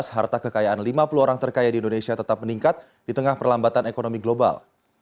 harta kekayaan lima puluh orang terkaya di indonesia tetap meningkat di tengah perlambatan ekonomi global